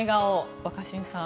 若新さん。